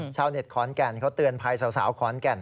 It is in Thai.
ชาวเน็ตขอนแก่นเขาเตือนภัยสาวขอนแก่น